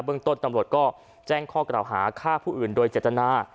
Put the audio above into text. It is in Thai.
เรื่องต้นตำรวจก็แจ้งข้อกล่าวหาฆ่าผู้อื่นโดยเจตนา